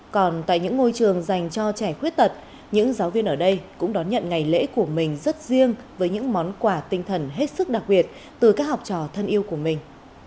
còn tại những ngôi trường dành cho trẻ khuyết tật những giáo viên ở đây cũng đón nhận ngày lễ của mình rất riêng với những món quà tinh thần hết sức đặc biệt từ các học trò thân yêu của mình